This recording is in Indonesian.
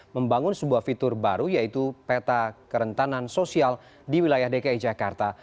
membangun sebuah fitur baru yaitu peta kerentanan sosial di wilayah dki jakarta